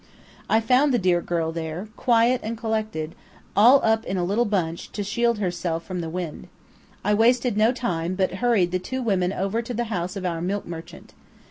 I found the dear girl there, quiet and collected, all up in a little bunch, to shield herself from the wind. I wasted no time, but hurried the two women over to the house of our milk merchant.